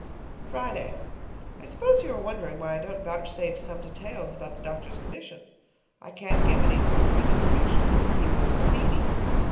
Friday. I suppose you are wondering why I don't vouchsafe some details about the doctor's condition. I can't give any first hand information, since he won't see me.